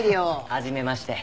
はじめまして。